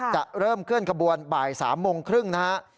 จะเริ่มเคลื่อนขบวนบ่าย๓โมงครึ่งนะฮะ